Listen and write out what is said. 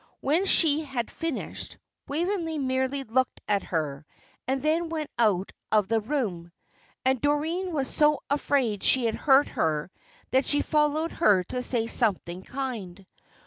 When she had finished, Waveney merely looked at her, and then went out of the room. And Doreen was so afraid she had hurt her that she followed her to say something kind.